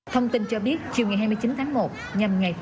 thông tin cho biết chiều ngày hai mươi chín tháng một